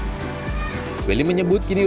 weli menyebut kini rumahnya berada di kota ambon